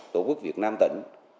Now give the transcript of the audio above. tổ quốc việt nam tỉnh